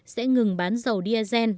sẽ ngừng bán dầu diazen